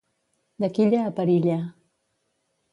De quilla a perilla.